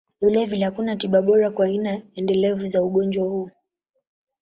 Vilevile, hakuna tiba bora kwa aina endelevu za ugonjwa huu.